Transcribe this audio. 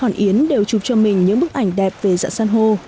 hòn yến đều chụp cho mình những bức ảnh đẹp về dạng san hô